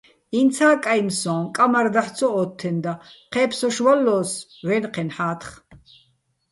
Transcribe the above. ინცა́ კაჲმი̆ სოჼ, კამარ დაჰ̦ ცო ო́თთენდა, ჴე́ფსოშ ვალლო́ს ვე́ნჴენ ჰ̦ათხ.